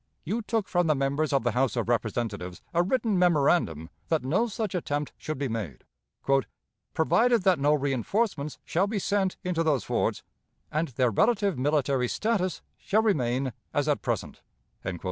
You took from the members of the House of Representatives a written memorandum that no such attempt should be made, "provided that no reënforcements shall be sent into those forts, and their relative military status shall remain as at present."